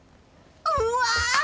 うわ！